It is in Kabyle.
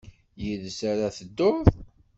Yid-s ara ad tedduḍ?